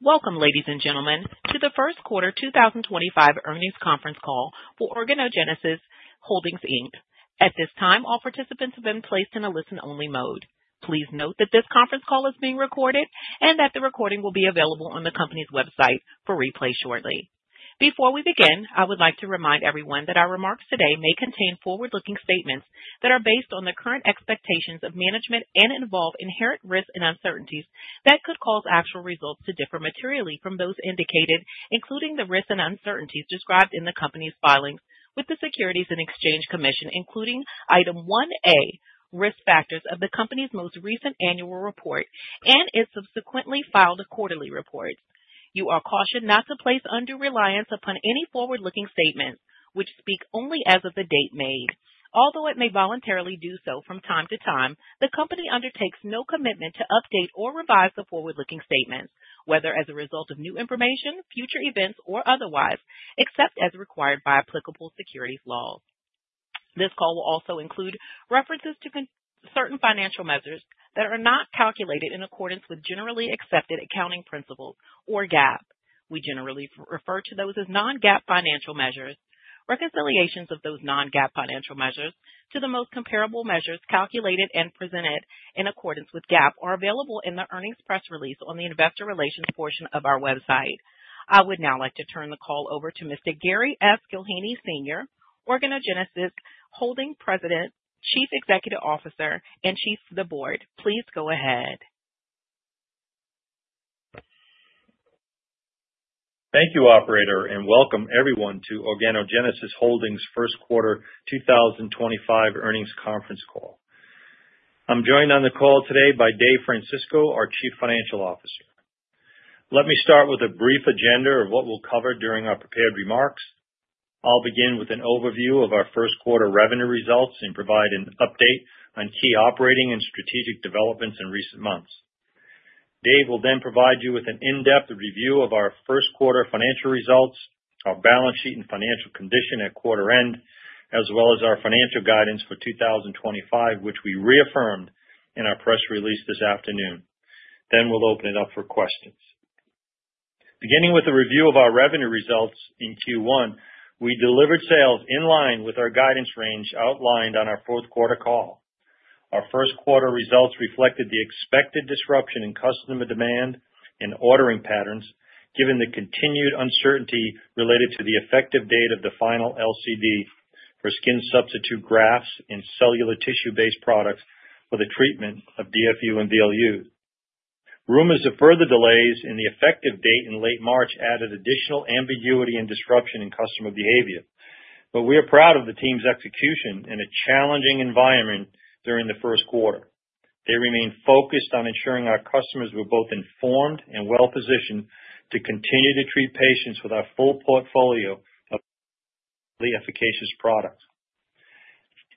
Welcome, ladies and gentlemen, to the first quarter 2025 earnings conference call for Organogenesis Holdings. At this time, all participants have been placed in a listen-only mode. Please note that this conference call is being recorded and that the recording will be available on the company's website for replay shortly. Before we begin, I would like to remind everyone that our remarks today may contain forward-looking statements that are based on the current expectations of management and involve inherent risks and uncertainties that could cause actual results to differ materially from those indicated, including the risks and uncertainties described in the company's filings with the Securities and Exchange Commission, including item one A, risk factors of the company's most recent annual report and its subsequently filed quarterly reports. You are cautioned not to place undue reliance upon any forward-looking statements which speak only as of the date made. Although it may voluntarily do so from time to time, the company undertakes no commitment to update or revise the forward-looking statements, whether as a result of new information, future events, or otherwise, except as required by applicable securities laws. This call will also include references to certain financial measures that are not calculated in accordance with generally accepted accounting principles or GAAP. We generally refer to those as non-GAAP financial measures. Reconciliations of those non-GAAP financial measures to the most comparable measures calculated and presented in accordance with GAAP are available in the earnings press release on the investor relations portion of our website. I would now like to turn the call over to Mr. Gary F. Gillheeney Sr., Organogenesis President, Chief Executive Officer, and Chair of the Board. Please go ahead. Thank you, Operator, and welcome everyone to Organogenesis Holdings' first quarter 2025 earnings conference call. I'm joined on the call today by Dave Francisco, our Chief Financial Officer. Let me start with a brief agenda of what we'll cover during our prepared remarks. I'll begin with an overview of our first quarter revenue results and provide an update on key operating and strategic developments in recent months. Dave will then provide you with an in-depth review of our first quarter financial results, our balance sheet and financial condition at quarter end, as well as our financial guidance for 2025, which we reaffirmed in our press release this afternoon. We will open it up for questions. Beginning with a review of our revenue results in Q1, we delivered sales in line with our guidance range outlined on our fourth quarter call. Our first quarter results reflected the expected disruption in customer demand and ordering patterns, given the continued uncertainty related to the effective date of the final LCD for skin substitute grafts and cellular tissue-based products for the treatment of DFU and DLU. Rumors of further delays in the effective date in late March added additional ambiguity and disruption in customer behavior, but we are proud of the team's execution in a challenging environment during the first quarter. They remain focused on ensuring our customers were both informed and well-positioned to continue to treat patients with our full portfolio of efficacious products.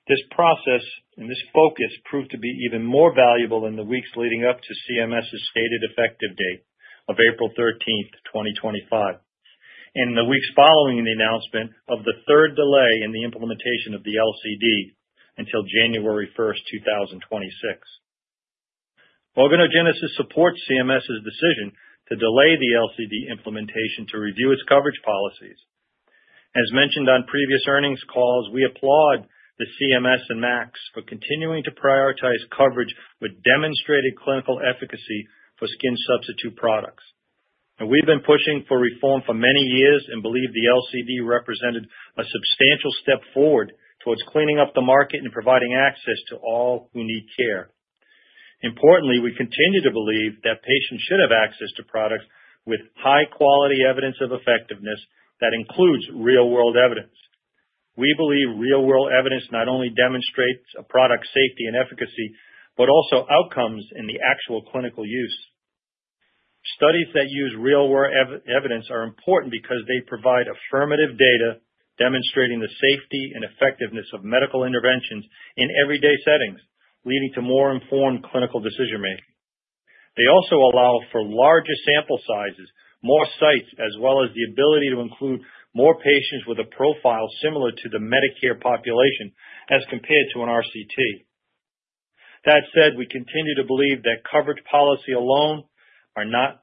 This process and this focus proved to be even more valuable in the weeks leading up to CMS's stated effective date of April 13th, 2025, and in the weeks following the announcement of the third delay in the implementation of the LCD until January 1st, 2026. Organogenesis supports CMS's decision to delay the LCD implementation to review its coverage policies. As mentioned on previous earnings calls, we applaud the CMS and MAC for continuing to prioritize coverage with demonstrated clinical efficacy for skin substitute products. We've been pushing for reform for many years and believe the LCD represented a substantial step forward towards cleaning up the market and providing access to all who need care. Importantly, we continue to believe that patients should have access to products with high-quality evidence of effectiveness that includes real-world evidence. We believe real-world evidence not only demonstrates a product's safety and efficacy but also outcomes in the actual clinical use. Studies that use real-world evidence are important because they provide affirmative data demonstrating the safety and effectiveness of medical interventions in everyday settings, leading to more informed clinical decision-making. They also allow for larger sample sizes, more sites, as well as the ability to include more patients with a profile similar to the Medicare population as compared to an RCT. That said, we continue to believe that coverage policy alone is not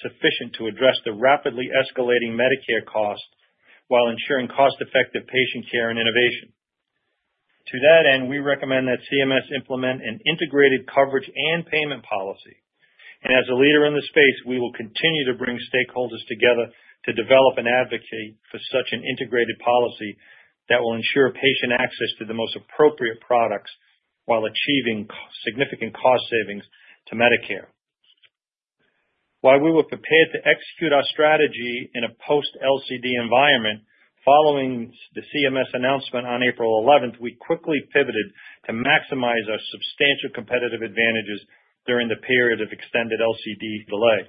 sufficient to address the rapidly escalating Medicare costs while ensuring cost-effective patient care and innovation. To that end, we recommend that CMS implement an integrated coverage and payment policy. As a leader in the space, we will continue to bring stakeholders together to develop and advocate for such an integrated policy that will ensure patient access to the most appropriate products while achieving significant cost savings to Medicare. While we were prepared to execute our strategy in a post-LCD environment following the CMS announcement on April 11th, we quickly pivoted to maximize our substantial competitive advantages during the period of extended LCD delay.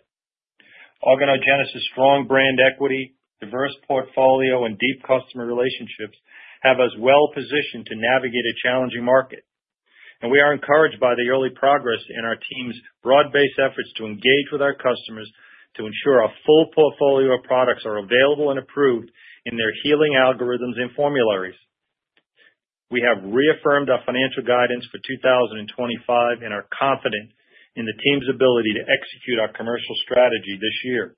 Organogenesis' strong brand equity, diverse portfolio, and deep customer relationships have us well-positioned to navigate a challenging market. We are encouraged by the early progress in our team's broad-based efforts to engage with our customers to ensure a full portfolio of products are available and approved in their healing algorithms and formularies. We have reaffirmed our financial guidance for 2025 and are confident in the team's ability to execute our commercial strategy this year.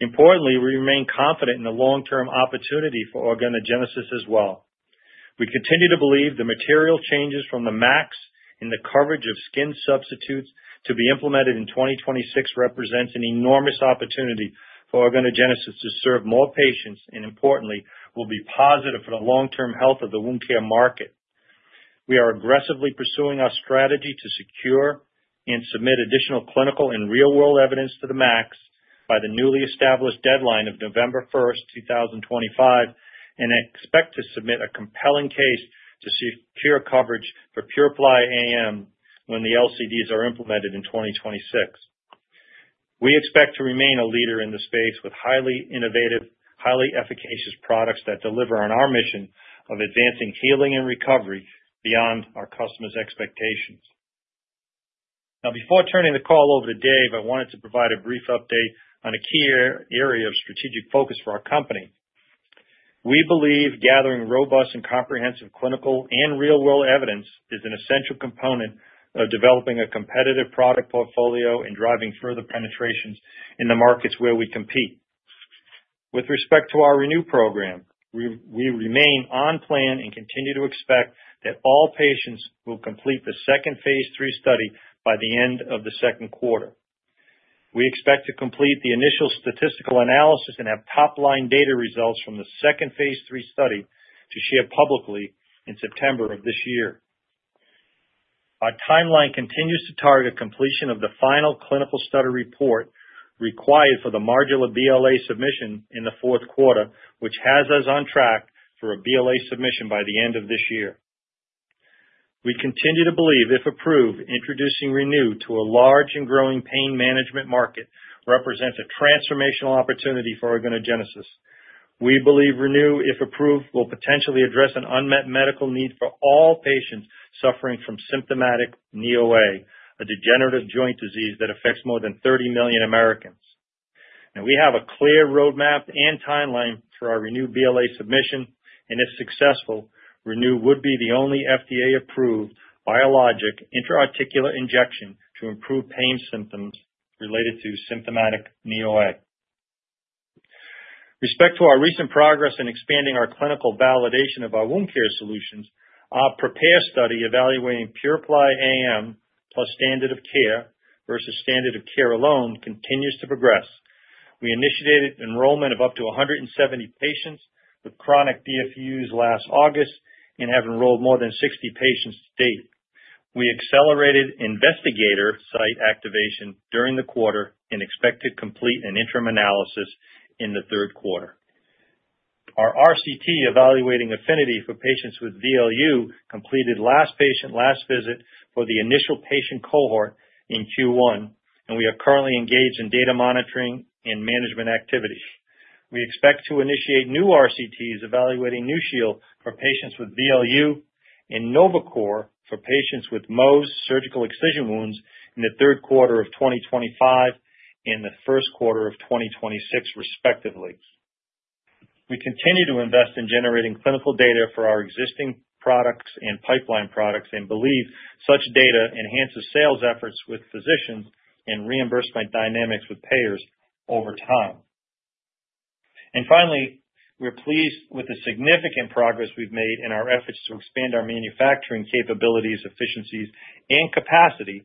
Importantly, we remain confident in the long-term opportunity for Organogenesis as well. We continue to believe the material changes from the MAC in the coverage of skin substitutes to be implemented in 2026 represent an enormous opportunity for Organogenesis to serve more patients and, importantly, will be positive for the long-term health of the wound care market. We are aggressively pursuing our strategy to secure and submit additional clinical and real-world evidence to the MAC by the newly established deadline of November 1st, 2025, and expect to submit a compelling case to secure coverage for PuraPly AM when the LCDs are implemented in 2026. We expect to remain a leader in the space with highly innovative, highly efficacious products that deliver on our mission of advancing healing and recovery beyond our customers' expectations. Now, before turning the call over to Dave, I wanted to provide a brief update on a key area of strategic focus for our company. We believe gathering robust and comprehensive clinical and real-world evidence is an essential component of developing a competitive product portfolio and driving further penetrations in the markets where we compete. With respect to our ReNu program, we remain on plan and continue to expect that all patients will complete the second phase three study by the end of the second quarter. We expect to complete the initial statistical analysis and have top-line data results from the second phase three study to share publicly in September of this year. Our timeline continues to target completion of the final clinical study report required for the modular BLA submission in the fourth quarter, which has us on track for a BLA submission by the end of this year. We continue to believe, if approved, introducing ReNu to a large and growing pain management market represents a transformational opportunity for Organogenesis. We believe ReNu, if approved, will potentially address an unmet medical need for all patients suffering from symptomatic NEOA, a degenerative joint disease that affects more than 30 million Americans. We have a clear roadmap and timeline for our ReNu BLA submission, and if successful, ReNu would be the only FDA-approved biologic intra-articular injection to improve pain symptoms related to symptomatic NEOA. Respect to our recent progress in expanding our clinical validation of our wound care solutions, our prepared study evaluating PuraPly AM plus standard of care versus standard of care alone continues to progress. We initiated enrollment of up to 170 patients with chronic DFUs last August and have enrolled more than 60 patients to date. We accelerated investigator site activation during the quarter and expect to complete an interim analysis in the third quarter. Our RCT evaluating Affinity for patients with DLU completed last patient last visit for the initial patient cohort in Q1, and we are currently engaged in data monitoring and management activities. We expect to initiate new RCTs evaluating NuShield for patients with DLU and Novacure for patients with Mohs surgical excision wounds in the third quarter of 2025 and the first quarter of 2026, respectively. We continue to invest in generating clinical data for our existing products and pipeline products and believe such data enhances sales efforts with physicians and reimbursement dynamics with payers over time. Finally, we're pleased with the significant progress we've made in our efforts to expand our manufacturing capabilities, efficiencies, and capacity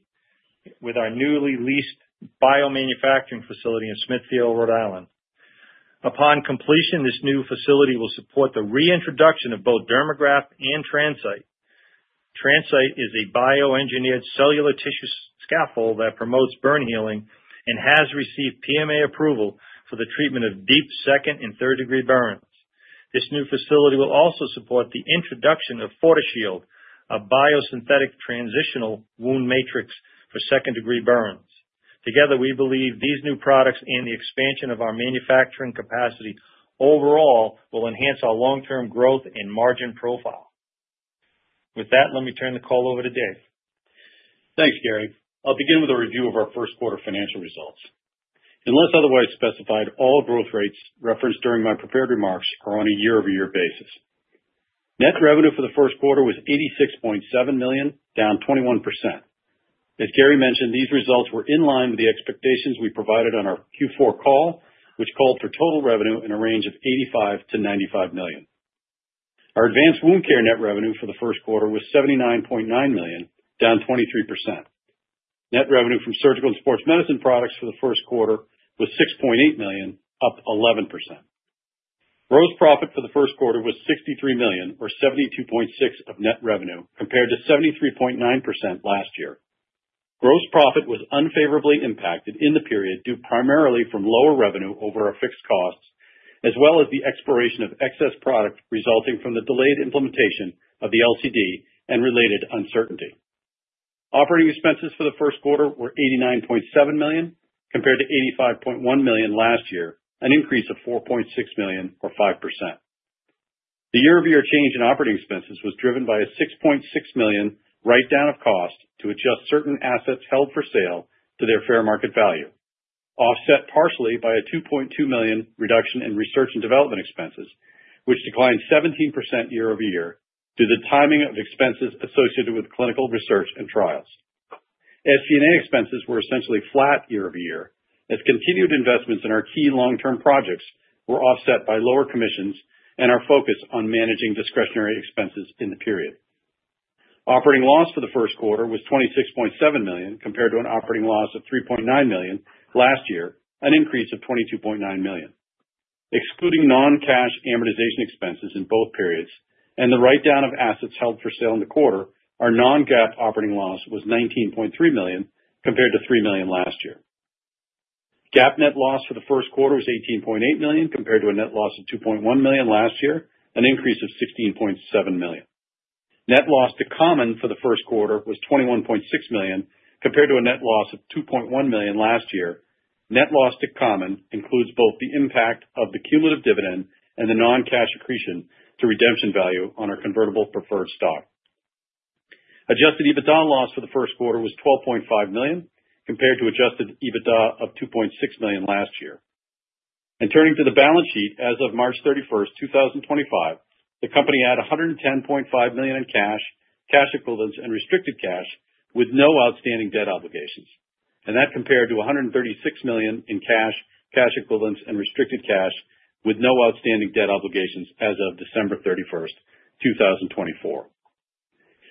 with our newly leased biomanufacturing facility in Smithfield, Rhode Island. Upon completion, this new facility will support the reintroduction of both Dermagraft and TransCyte. TransCyte is a bio-engineered cellular tissue scaffold that promotes burn healing and has received PMA approval for the treatment of deep second and third-degree burns. This new facility will also support the introduction of FortiShield, a biosynthetic transitional wound matrix for second-degree burns. Together, we believe these new products and the expansion of our manufacturing capacity overall will enhance our long-term growth and margin profile. With that, let me turn the call over to Dave. Thanks, Gary. I'll begin with a review of our first quarter financial results. Unless otherwise specified, all growth rates referenced during my prepared remarks are on a year-over-year basis. Net revenue for the first quarter was $86.7 million, down 21%. As Gary mentioned, these results were in line with the expectations we provided on our Q4 call, which called for total revenue in a range of $85 million-$95 million. Our advanced wound care net revenue for the first quarter was $79.9 million, down 23%. Net revenue from surgical and sports medicine products for the first quarter was $6.8 million, up 11%. Gross profit for the first quarter was $63 million, or 72.6% of net revenue, compared to 73.9% last year. Gross profit was unfavorably impacted in the period due primarily from lower revenue over our fixed costs, as well as the expiration of excess product resulting from the delayed implementation of the LCD and related uncertainty. Operating expenses for the first quarter were $89.7 million, compared to $85.1 million last year, an increase of $4.6 million, or 5%. The year-over-year change in operating expenses was driven by a $6.6 million write-down of cost to adjust certain assets held for sale to their fair market value, offset partially by a $2.2 million reduction in research and development expenses, which declined 17% year-over-year due to the timing of expenses associated with clinical research and trials. SG&A expenses were essentially flat year-over-year, as continued investments in our key long-term projects were offset by lower commissions and our focus on managing discretionary expenses in the period. Operating loss for the first quarter was $26.7 million, compared to an operating loss of $3.9 million last year, an increase of $22.9 million. Excluding non-cash amortization expenses in both periods and the write-down of assets held for sale in the quarter, our non-GAAP operating loss was $19.3 million, compared to $3 million last year. GAAP net loss for the first quarter was $18.8 million, compared to a net loss of $2.1 million last year, an increase of $16.7 million. Net loss to common for the first quarter was $21.6 million, compared to a net loss of $2.1 million last year. Net loss to common includes both the impact of the cumulative dividend and the non-cash accretion to redemption value on our convertible preferred stock. Adjusted EBITDA loss for the first quarter was $12.5 million, compared to adjusted EBITDA of $2.6 million last year. Turning to the balance sheet, as of March 31st, 2025, the company had $110.5 million in cash, cash equivalents, and restricted cash with no outstanding debt obligations. That compared to $136 million in cash, cash equivalents, and restricted cash with no outstanding debt obligations as of December 31st, 2024.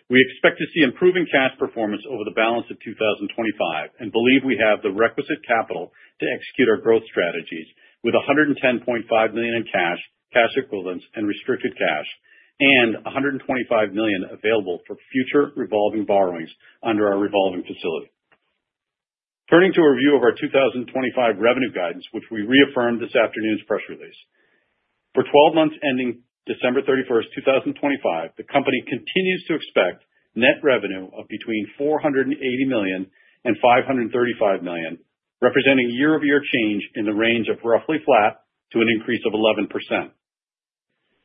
We expect to see improving cash performance over the balance of 2025 and believe we have the requisite capital to execute our growth strategies with $110.5 million in cash, cash equivalents, and restricted cash, and $125 million available for future revolving borrowings under our revolving facility. Turning to a review of our 2025 revenue guidance, which we reaffirmed in this afternoon's press release. For 12 months ending December 31st, 2025, the company continues to expect net revenue of between $480 million and $535 million, representing year-over-year change in the range of roughly flat to an increase of 11%.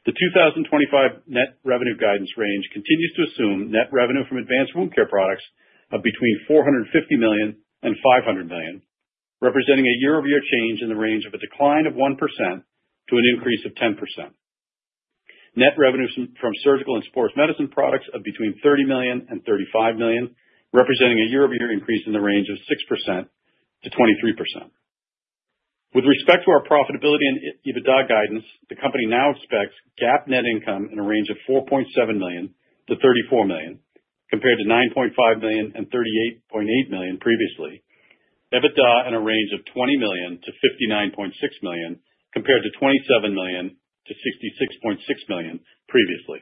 The 2025 net revenue guidance range continues to assume net revenue from advanced wound care products of between $450 million and $500 million, representing a year-over-year change in the range of a decline of 1% to an increase of 10%. Net revenue from surgical and sports medicine products of between $30 million and $35 million, representing a year-over-year increase in the range of 6% to 23%. With respect to our profitability and EBITDA guidance, the company now expects GAAP net income in a range of $4.7 million to $34 million, compared to $9.5 million and $38.8 million previously, EBITDA in a range of $20 million to $59.6 million, compared to $27 million to $66.6 million previously.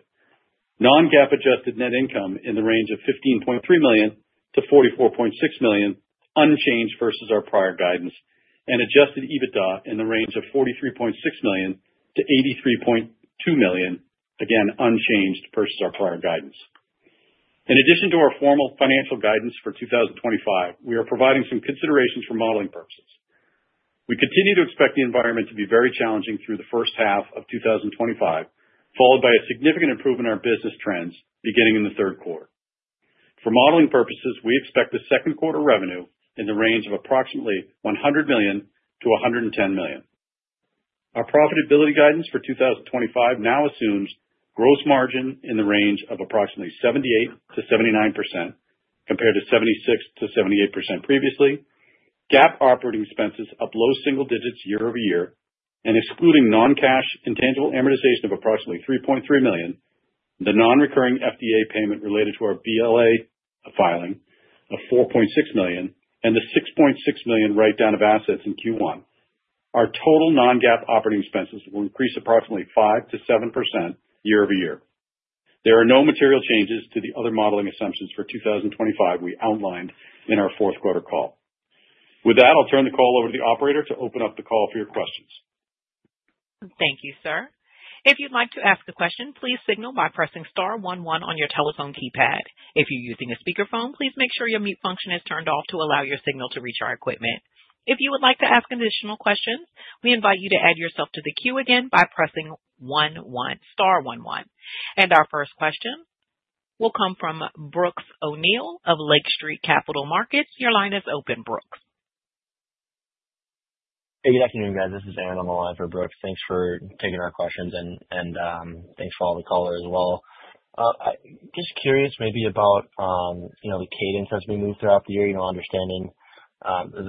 Non-GAAP adjusted net income in the range of $15.3 million to $44.6 million, unchanged versus our prior guidance, and adjusted EBITDA in the range of $43.6 million to $83.2 million, again unchanged versus our prior guidance. In addition to our formal financial guidance for 2025, we are providing some considerations for modeling purposes. We continue to expect the environment to be very challenging through the first half of 2025, followed by a significant improvement in our business trends beginning in the third quarter. For modeling purposes, we expect the second quarter revenue in the range of approximately $100 million to $110 million. Our profitability guidance for 2025 now assumes gross margin in the range of approximately 78% to 79%, compared to 76% to 78% previously, GAAP operating expenses up low single digits year-over-year, and excluding non-cash intangible amortization of approximately $3.3 million, the non-recurring FDA payment related to our BLA filing of $4.6 million, and the $6.6 million write-down of assets in first quarter, our total non-GAAP operating expenses will increase approximately 5% to 7% year-over-year. There are no material changes to the other modeling assumptions for 2025 we outlined in our fourth quarter call. With that, I'll turn the call over to the operator to open up the call for your questions. Thank you, sir. If you'd like to ask a question, please signal by pressing star 11 on your telephone keypad. If you're using a speakerphone, please make sure your mute function is turned off to allow your signal to reach our equipment. If you would like to ask additional questions, we invite you to add yourself to the queue again by pressing star 11. Our first question will come from Brooks O'Neill of Lake Street Capital Markets. Your line is open, Brooks. Hey, good afternoon, guys. This is Aaron on the line for Brooks. Thanks for taking our questions, and thanks for all the callers as well. Just curious maybe about the cadence as we move throughout the year, understanding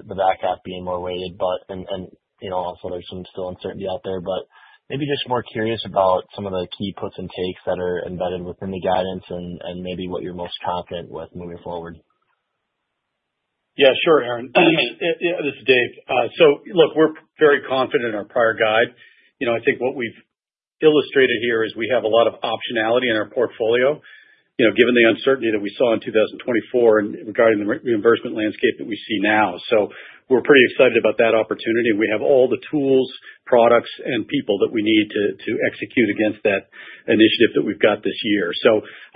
the back half being more weighted, and also there's some still uncertainty out there. Maybe just more curious about some of the key puts and takes that are embedded within the guidance and maybe what you're most confident with moving forward. Aaron. This is Dave. Look, we're very confident in our prior guide. I think what we've illustrated here is we have a lot of optionality in our portfolio, given the uncertainty that we saw in 2024 and regarding the reimbursement landscape that we see now. We're pretty excited about that opportunity. We have all the tools, products, and people that we need to execute against that initiative that we've got this year.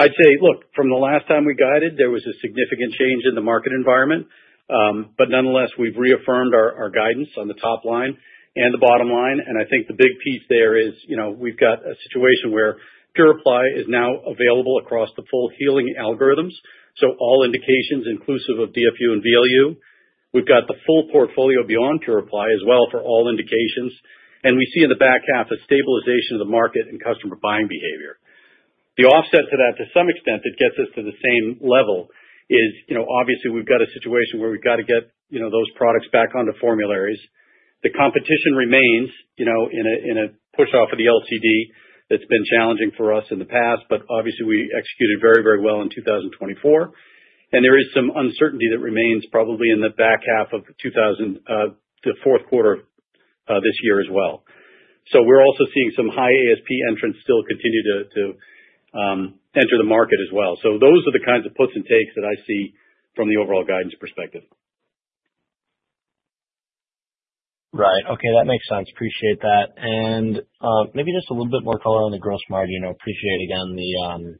I'd say, look, from the last time we guided, there was a significant change in the market environment. Nonetheless, we've reaffirmed our guidance on the top line and the bottom line. I think the big piece there is we've got a situation where PuraPly AM is now available across the full healing algorithms, so all indications, inclusive of DFU and VLU. We've got the full portfolio beyond PuraPly as well for all indications. We see in the back half a stabilization of the market and customer buying behavior. The offset to that, to some extent, that gets us to the same level is obviously we've got a situation where we've got to get those products back onto formularies. The competition remains in a push-off of the LCD that's been challenging for us in the past, but obviously we executed very, very well in 2024. There is some uncertainty that remains probably in the back half of the fourth quarter of this year as well. We're also seeing some high ASP entrants still continue to enter the market as well. Those are the kinds of puts and takes that I see from the overall guidance perspective. Right. Okay. That makes sense. Appreciate that. Maybe just a little bit more color on the gross margin. Appreciate, again,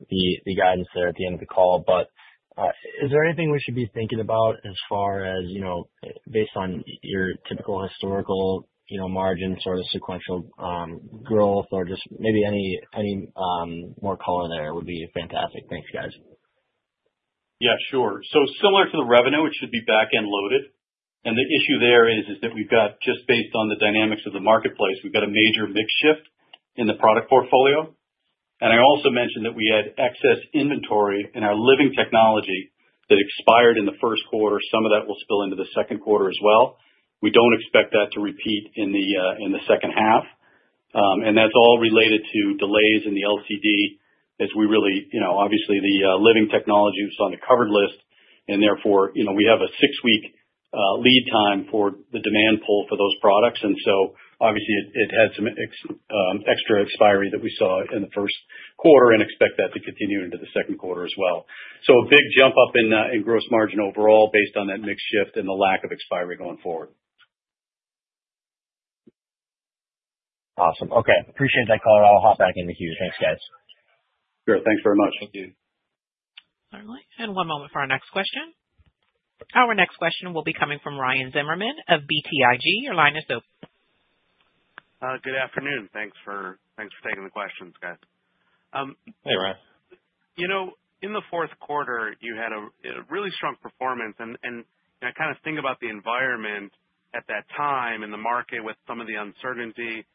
the guidance there at the end of the call. Is there anything we should be thinking about as far as based on your typical historical margin sort of sequential growth or just maybe any more color there would be fantastic. Thanks, guys. Similar to the revenue, it should be back-end loaded. The issue there is that we've got, just based on the dynamics of the marketplace, we've got a major mix shift in the product portfolio. I also mentioned that we had excess inventory in our living technology that expired in the first quarter. Some of that will spill into the second quarter as well. We do not expect that to repeat in the second half. That is all related to delays in the LCD as we really, obviously, the living technology was on the covered list. Therefore, we have a six-week lead time for the demand pull for those products. Obviously, it had some extra expiry that we saw in the first quarter and expect that to continue into the second quarter as well. A big jump up in gross margin overall based on that mix shift and the lack of expiry going forward. Awesome. Okay. Appreciate that, Carter. I'll hop back in the queue. Thanks, guys. Sure. Thanks very much. Thank you. Certainly. One moment for our next question. Our next question will be coming from Ryan Zimmerman of BTIG. Your line is open. Good afternoon. Thanks for taking the questions, guys. Hey, Ryan. In the fourth quarter, you had a really strong performance. I kind of think about the environment at that time in the market with some of the uncertainty.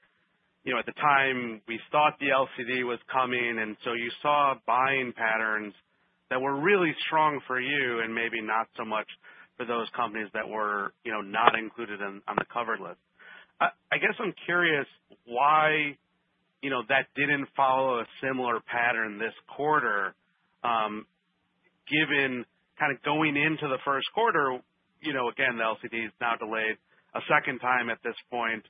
At the time, we thought the LCD was coming. You saw buying patterns that were really strong for you and maybe not so much for those companies that were not included on the covered list. I guess I'm curious why that didn't follow a similar pattern this quarter, given kind of going into the first quarter, again, the LCD is now delayed a second time at this point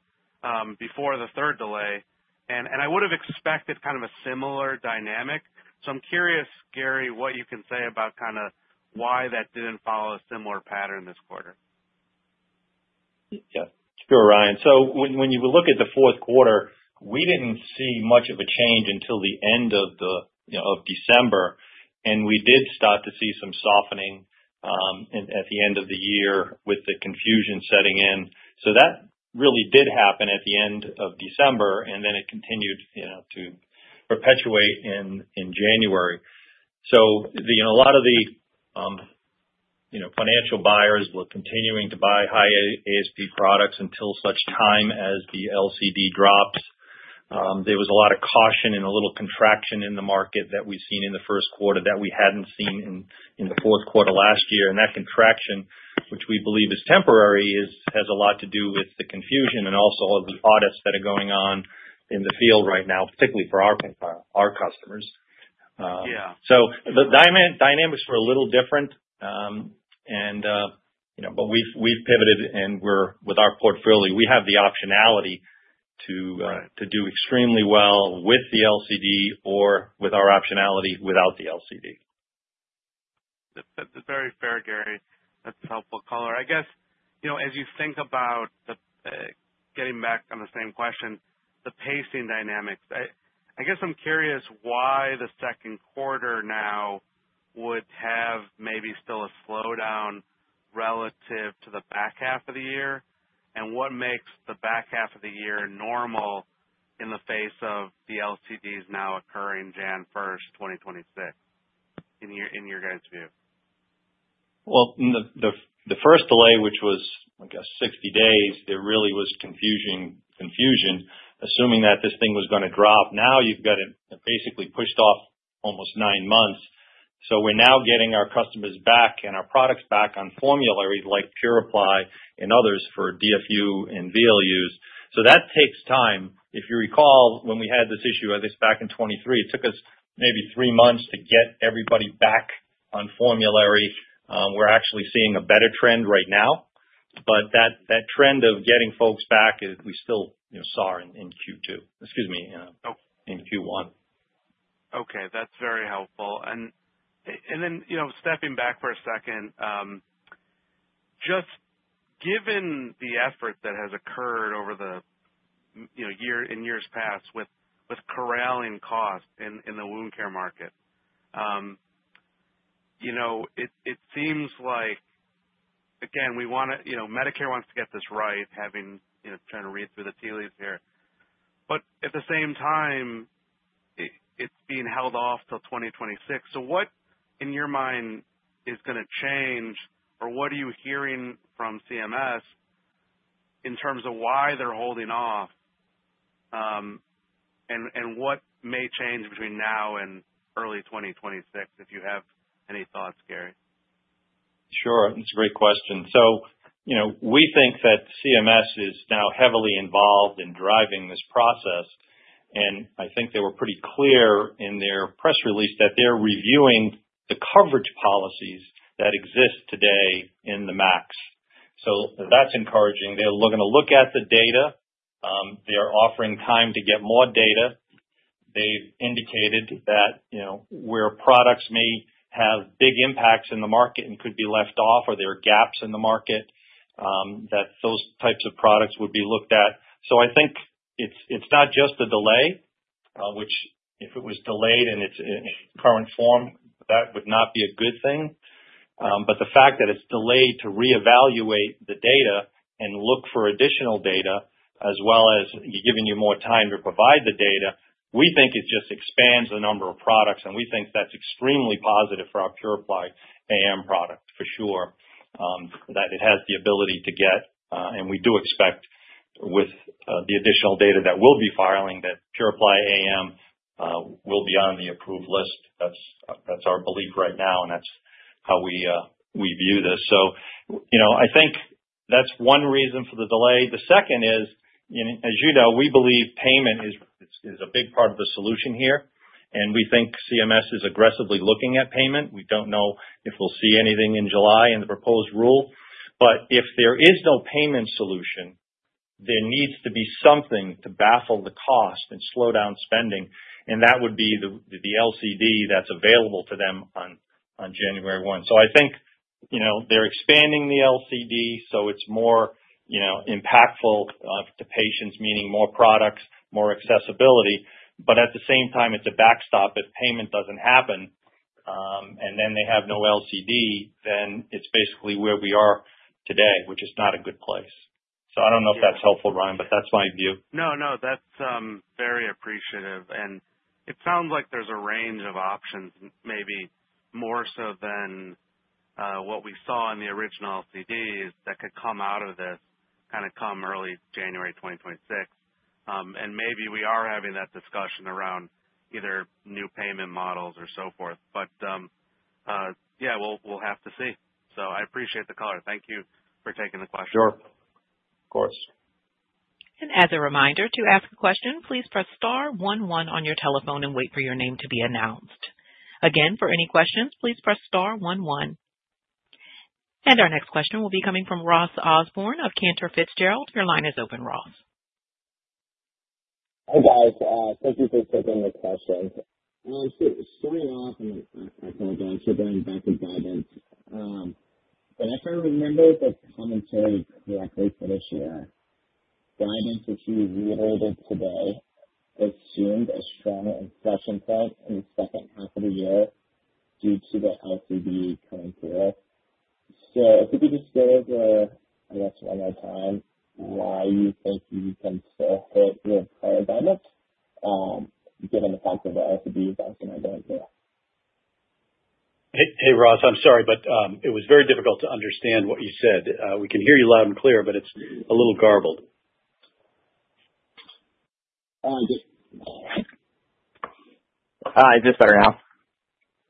before the third delay. I would have expected kind of a similar dynamic. I'm curious, Gary, what you can say about kind of why that didn't follow a similar pattern this quarter. Ryan. When you look at the fourth quarter, we did not see much of a change until the end of December. We did start to see some softening at the end of the year with the confusion setting in. That really did happen at the end of December, and it continued to perpetuate in January. A lot of the financial buyers were continuing to buy high ASP products until such time as the LCD drops. There was a lot of caution and a little contraction in the market that we have seen in the first quarter that we had not seen in the fourth quarter last year. That contraction, which we believe is temporary, has a lot to do with the confusion and also the audits that are going on in the field right now, particularly for our customers. The dynamics were a little different. But we've pivoted, and with our portfolio, we have the optionality to do extremely well with the LCD or with our optionality without the LCD. That's very fair, Gary. That's a helpful color. I guess as you think about getting back on the same question, the pacing dynamics, I guess I'm curious why the second quarter now would have maybe still a slowdown relative to the back half of the year. What makes the back half of the year normal in the face of the LCDs now occurring January 1st, 2026, in your guys' view? The first delay, which was like 60 days, there really was confusion, assuming that this thing was going to drop. Now you've got it basically pushed off almost nine months. We are now getting our customers back and our products back on formulary like PuraPly and others for DFU and VLUs. That takes time. If you recall, when we had this issue, back in 2023, it took us maybe three months to get everybody back on formulary. We're actually seeing a better trend right now. That trend of getting folks back, we still saw in second quarter. Excuse me, in first quarter. That's very helpful. Then stepping back for a second, just given the effort that has occurred over the year in years past with corralling costs in the wound care market, it seems like, again, we want to, Medicare wants to get this right, trying to read through the tea leaves here. At the same time, it's being held off till 2026. What, in your mind, is going to change, or what are you hearing from CMS in terms of why they're holding off, and what may change between now and early 2026, if you have any thoughts, Gary? That's a great question. We think that CMS is now heavily involved in driving this process. I think they were pretty clear in their press release that they're reviewing the coverage policies that exist today in the MACs. That's encouraging. They're going to look at the data. They are offering time to get more data. They've indicated that where products may have big impacts in the market and could be left off or there are gaps in the market, those types of products would be looked at. I think it's not just the delay, which if it was delayed in its current form, that would not be a good thing. The fact that it's delayed to reevaluate the data and look for additional data, as well as giving you more time to provide the data, we think it just expands the number of products. We think that's extremely positive for our PuraPly AM product, for sure, that it has the ability to get. We do expect, with the additional data that we'll be filing, that PuraPly AM will be on the approved list. That's our belief right now, and that's how we view this. I think that's one reason for the delay. The second is, as you know, we believe payment is a big part of the solution here. We think CMS is aggressively looking at payment. We don't know if we'll see anything in July in the proposed rule. If there is no payment solution, there needs to be something to baffle the cost and slow down spending. That would be the LCD that is available to them on January 1st. I think they are expanding the LCD so it is more impactful to patients, meaning more products, more accessibility. At the same time, it is a backstop. If payment does not happen and then they have no LCD, then it is basically where we are today, which is not a good place. I do not know if that is helpful, Ryan, but that is my view. No, no. That's very appreciative. It sounds like there's a range of options, maybe more so than what we saw in the original LCDs, that could come out of this, kind of come early January 2026. Maybe we are having that discussion around either new payment models or so forth. We'll have to see. I appreciate the color. Thank you for taking the question. Sure. Of course. As a reminder, to ask a question, please press star 11 on your telephone and wait for your name to be announced. Again, for any questions, please press star 11. Our next question will be coming from Ross Osborn of Cantor Fitzgerald. Your line is open, Ross. Hi, guys. Thank you for taking the question. I'm sure it was starting off, and I apologize, but going back to guidance. If I remember the commentary correctly for this year, guidance issues related to today assumed a strong inflection point in the second half of the year due to the LCD coming through. If you could just go over, I guess, one more time why you think you can still hit your prior guidance, given the fact that the LCD is also not going through. Hey, Ross. I'm sorry, but it was very difficult to understand what you said. We can hear you loud and clear, but it's a little garbled. Hi. Is this better now?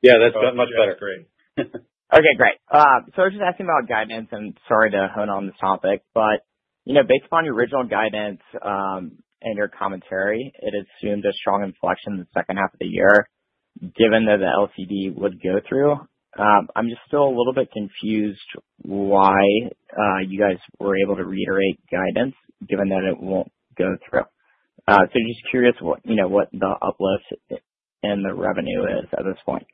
That's much better. Okay. Great. I was just asking about guidance, and sorry to hone on this topic. Based upon your original guidance and your commentary, it assumed a strong inflection in the second half of the year, given that the LCD would go through. I'm just still a little bit confused why you guys were able to reiterate guidance, given that it won't go through. I'm just curious what the uplift in the revenue is at this point.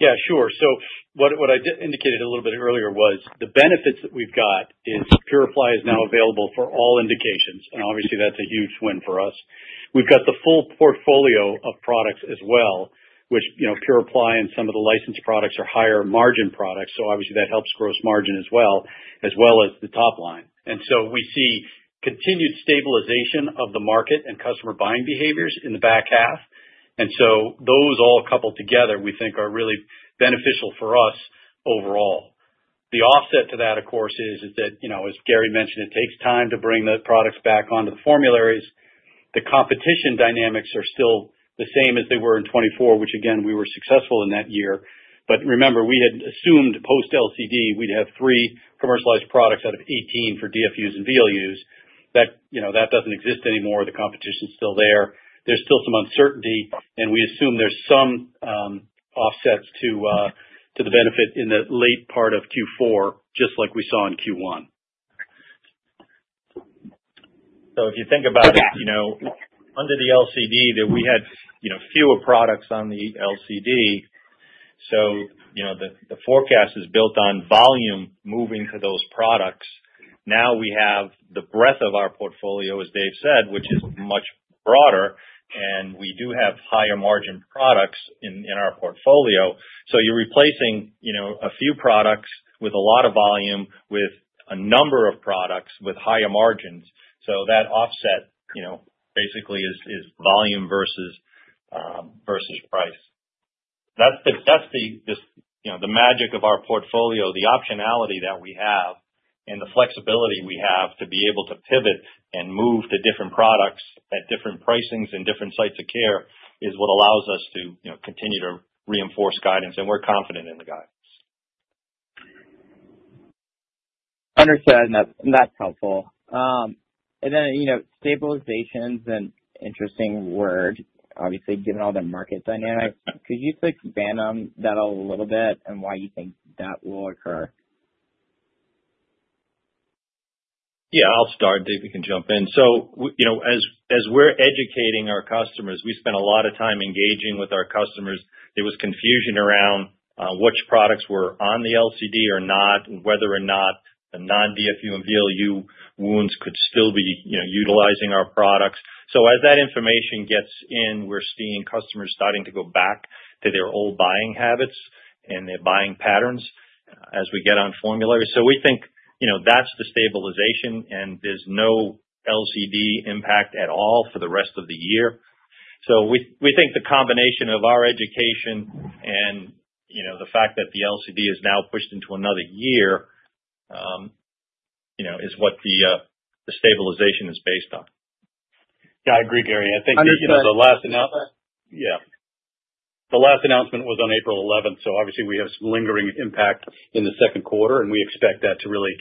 What I indicated a little bit earlier was the benefits that we've got is PuraPly is now available for all indications. Obviously, that's a huge win for us. We've got the full portfolio of products as well, which PuraPly and some of the licensed products are higher margin products. Obviously, that helps gross margin as well, as well as the top line. We see continued stabilization of the market and customer buying behaviors in the back half. Those all coupled together, we think, are really beneficial for us overall. The offset to that, of course, is that, as Gary mentioned, it takes time to bring the products back onto the formularies. The competition dynamics are still the same as they were in 2024, which, again, we were successful in that year. Remember, we had assumed post-LCD, we'd have three commercialized products out of 18 for DFUs and VLUs. That doesn't exist anymore. The competition's still there. There's still some uncertainty. We assume there's some offsets to the benefit in the late part of fourth quarter, just like we saw in first quarter. If you think about it, under the LCD, we had fewer products on the LCD. The forecast is built on volume moving to those products. Now we have the breadth of our portfolio, as Dave said, which is much broader. We do have higher margin products in our portfolio. You're replacing a few products with a lot of volume, with a number of products with higher margins. That offset basically is volume versus price. That's the magic of our portfolio, the optionality that we have, and the flexibility we have to be able to pivot and move to different products at different pricings and different sites of care is what allows us to continue to reinforce guidance. We're confident in the guidance. Understood. That's helpful. Stabilization's an interesting word, obviously, given all the market dynamics. Could you expand on that a little bit and why you think that will occur? I'll start. Dave, you can jump in. As we're educating our customers, we spend a lot of time engaging with our customers. There was confusion around which products were on the LCD or not, whether or not the non-DFU and VLU wounds could still be utilizing our products. As that information gets in, we're seeing customers starting to go back to their old buying habits and their buying patterns as we get on formulary. We think that's the stabilization, and there's no LCD impact at all for the rest of the year. We think the combination of our education and the fact that the LCD is now pushed into another year is what the stabilization is based on. Yeah. I agree, Gary. I think the last announcement. Yeah. The last announcement was on April 11th. Obviously, we have some lingering impact in the second quarter. We expect that to really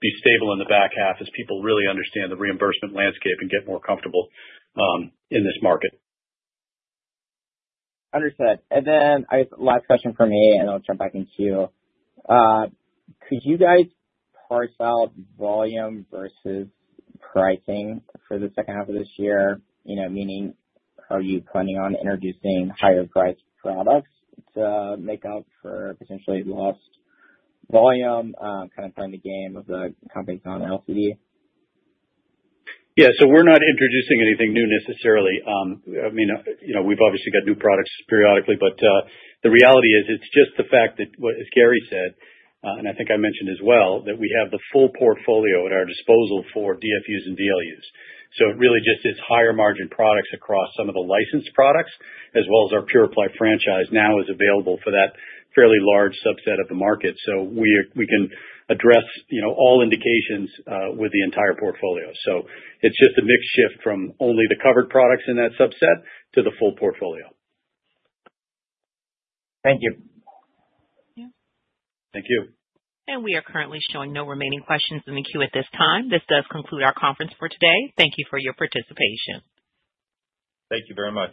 be stable in the back half as people really understand the reimbursement landscape and get more comfortable in this market. Understood. And then last question for me, and I'll jump back in queue. Could you guys parse out volume versus pricing for the second half of this year, meaning are you planning on introducing higher-priced products to make up for potentially lost volume, kind of playing the game of the companies on LCD? So we're not introducing anything new necessarily. We've obviously got new products periodically. The reality is it's just the fact that, as Gary said, and I think I mentioned as well, that we have the full portfolio at our disposal for DFUs and VLUs. It really just is higher margin products across some of the licensed products, as well as our PuraPly franchise now is available for that fairly large subset of the market. We can address all indications with the entire portfolio. It's just a mixed shift from only the covered products in that subset to the full portfolio. Thank you. Thank you. Thank you. We are currently showing no remaining questions in the queue at this time. This does conclude our conference for today. Thank you for your participation. Thank you very much.